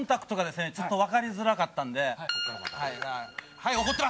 はい怒ってる。